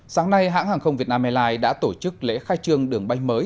sáng nay hãng hàng không việt nam airlines đã tổ chức lễ khai trương đường bay mới